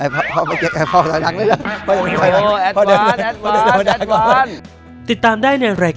พ่อมาเก็บพ่อมาต่อดังด้วย